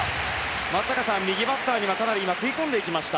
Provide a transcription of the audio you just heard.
松坂さん、右バッターに食い込んでいきました。